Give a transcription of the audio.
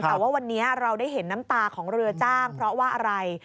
แต่ว่าวันนี้เราได้เห็นน้ำตาของเรือจ้างเพราะว่าอะไร